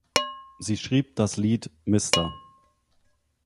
Sie schrieb das Lied "Mr.